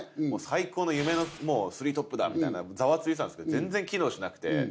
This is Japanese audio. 最高の夢のスリートップだってざわついてたんですけど全然機能しなくて。